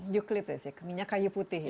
eucalyptus ya minyak kayu putih